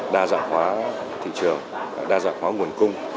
đa dạng hóa thị trường đa dạng hóa nguồn cung